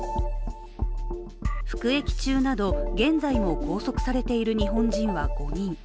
服役中など現在も拘束されている日本人は５人。